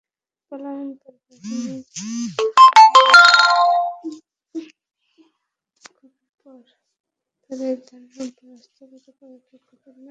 পলায়নপর বাহিনীর পশ্চাদ্ধাবন করে তাদের ধন-সম্পদ হস্তগত করাটাও তাদের নজর এড়ায় না।